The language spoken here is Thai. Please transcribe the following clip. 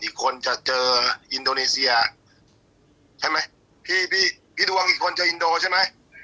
อีกคนจะเจออินโดนีเซียใช่ไหม